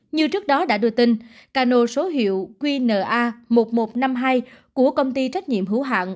như trước đó đã đưa tin cano số hiệu qna một nghìn một trăm năm mươi hai của công ty trách nhiệm hữu hạng